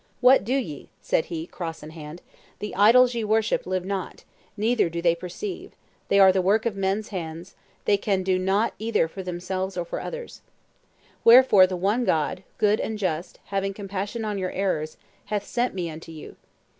"What do ye" said he, cross in hand; "the idols ye worship live not, neither do they perceive: they are the work of men's hands; they can do nought either for themselves or for others. Wherefore the one God, good and just, having compassion on your errors, hath sent me unto you.